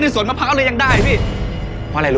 ฉันจะตัดพ่อตัดลูกกับแกเลย